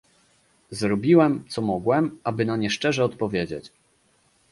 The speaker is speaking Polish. Zrobiłem, co mogłem, aby na nie szczerze odpowiedzieć